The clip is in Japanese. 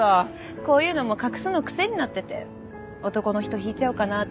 こういうのも隠すの癖になってて男の人引いちゃうかなって。